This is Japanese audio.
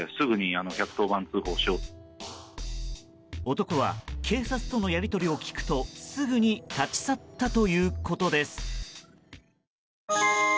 男は警察とのやり取りを聞くとすぐに立ち去ったということです。